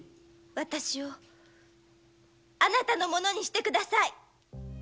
私をあなたのものにして下さい！